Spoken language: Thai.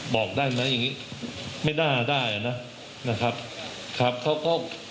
บอกได้ไหมอย่างงี้ไม่น่าได้นะครับครับเขาก็